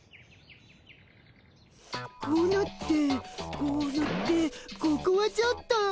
こうなってこうなってここはちょっと。